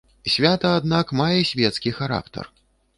Свята, аднак, мае свецкі характар.